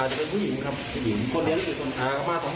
อาจจะเป็นผู้หญิงครับ